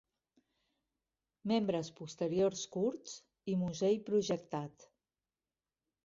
Membres posteriors curts i musell projectat.